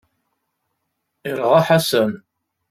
Yerɣa Ḥasan.